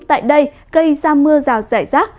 tại đây cây ra mưa rào rải rác